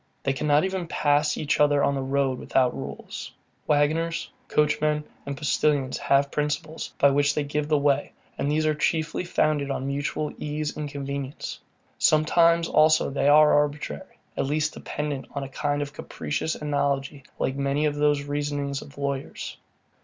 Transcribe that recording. They cannot even pass each other on the road without rules. Waggoners, coachmen, and postilions have principles, by which they give the way; and these are chiefly founded on mutual ease and convenience. Sometimes also they are arbitrary, at least dependent on a kind of capricious analogy like many of the reasonings of lawyers.